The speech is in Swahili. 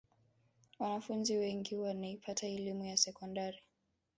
wanafunzi wengi wanaipata elimu ya sekondari